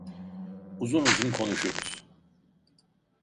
Uzun uzun konuşuruz.